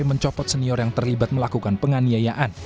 mencopot senior yang terlibat melakukan penganiayaan